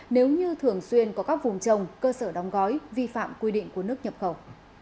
nếu như thường xuyên có các vùng trồng cơ sở đóng gói vi phạm quy định của nước nhập khẩu